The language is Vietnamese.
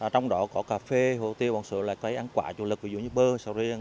trong đó có cà phê hồ tiêu bằng sữa ăn quả chủ lực ví dụ như bơ sầu riêng